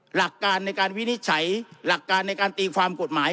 หลักการในการวินิจฉัยหลักการในการตีความกฎหมาย